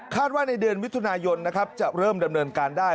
คาดว่าในเดือนวิทยุนายนจะเริ่มดำเนินการได้